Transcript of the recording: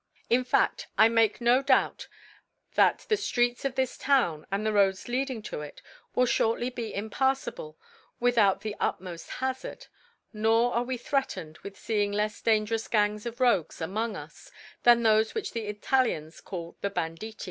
Jn Faft, I make no doubt, but that the Streets of this Town, and the Roads lead ing to it, will fliortly be impaflable without the utmoft Hazard ; nor are we threatned with feeing lefs dangerous Gangs of Rogues among us, than thofc which the Ualians call the Bandit!